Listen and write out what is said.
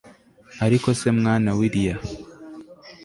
ariko se mwana willia